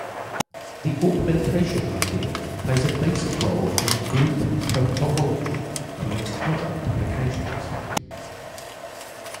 The augmentation ideal plays a basic role in group cohomology, amongst other applications.